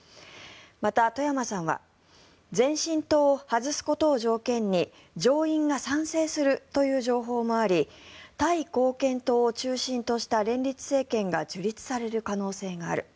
また外山さんは前進党を外すことを条件に上院が賛成するという情報もありタイ貢献党を中心とした連立政権が樹立される可能性がある。